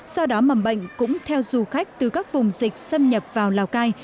do đó mầm bệnh cũng theo du khách từ các vùng dịch xâm nhập vào lào cai